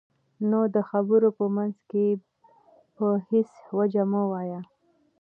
نو د خبرو په منځ کې په هېڅ وجه مه وایئ.